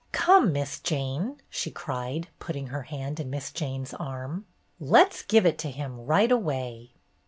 "Come, Miss Jane !" she cried, putting her hand in Miss Jane's arm. "Let 's give it to him right away."